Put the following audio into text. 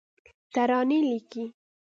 ترانې لیکې